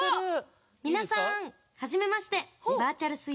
皆さんはじめまして。